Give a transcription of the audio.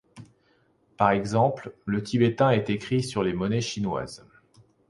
Par exemple, le tibétain est écrit sur les monnaies chinoises.